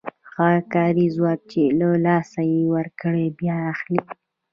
هغه کاري ځواک چې له لاسه یې ورکړی بیا اخلي